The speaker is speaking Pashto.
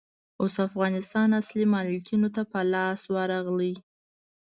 اوس افغانستان اصلي مالکينو ته په لاس ورغلئ.